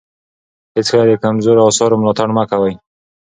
هېڅکله د کمزورو اثارو ملاتړ مه کوئ.